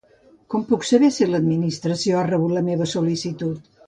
Com puc saber si l'Administració ha rebut la meva sol·licitud?